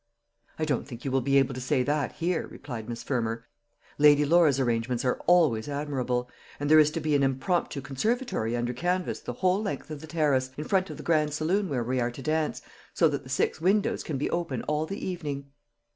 "I don't think you will be able to say that here," replied Miss Fermor. "Lady Laura's arrangements are always admirable; and there is to be an impromptu conservatory under canvas the whole length of the terrace, in front of the grand saloon where we are to dance, so that the six windows can be open all the evening."